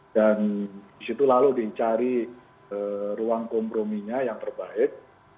dan disitu lalu dicari ruang komprominya yang terbaik